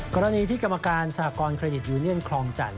กรณีที่กรรมการสหกรณเครดิตยูเนียนคลองจันท